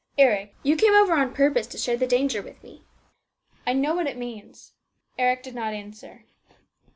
" Eric, you came over on purpose to share the danger with me. I know what it means." Eric did not answer.